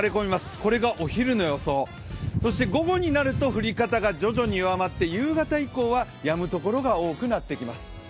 これがお昼の予想、午後になると降り方がおさまって夕方以降はやむ所が多くなってきます。